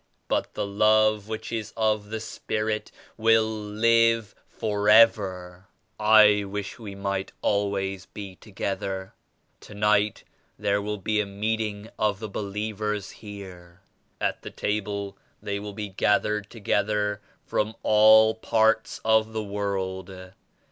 But the Love which is of the Spirit will live forever. I wish we might always be together. Tonight there will be a Meeting of the believers here. At the table they will be gathered together from all parts of the world.